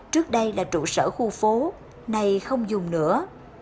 trước đây là trụ sở khu phố này không dùng nữa